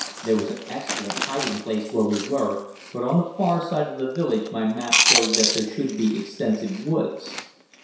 There was an excellent hiding place where we were, but on the far side of the village my map showed that there should be extensive woods.